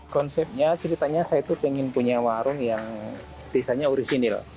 konsepnya ceritanya saya tuh pengen punya warung yang desanya orisinil